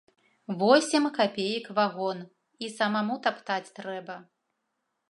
Восем капеек вагон, і самаму таптаць трэба.